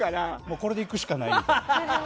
これでいくしかないみたいな。